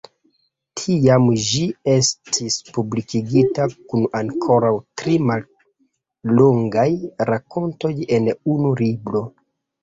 Tiam ĝi estis publikigita kun ankoraŭ tri mallongaj rakontoj en unu libro.